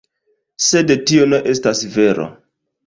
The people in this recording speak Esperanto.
Sed tio ne estas vero.